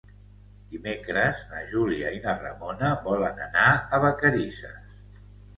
Dimecres na Júlia i na Ramona volen anar a Vacarisses.